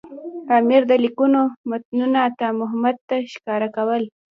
امیر د لیکونو متنونه عطامحمد خان ته ښکاره کول.